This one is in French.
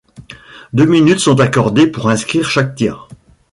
Deux minutes sont accordées pour inscrire chaque tir.